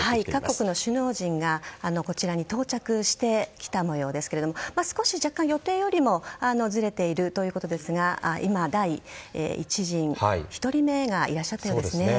各国の首脳陣がこちらに到着してきた模様ですが少し予定よりもずれているということですが今、第１陣１人目がいらっしゃったようです。